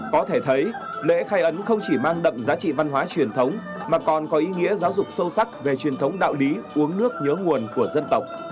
có thể thấy lễ khai ấn không chỉ mang đậm giá trị văn hóa truyền thống mà còn có ý nghĩa giáo dục sâu sắc về truyền thống đạo lý uống nước nhớ nguồn của dân tộc